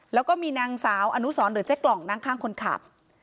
แล้วก็มีนางสาวอนุสรหรือเจ๊กล่องนั่งข้างคนขับ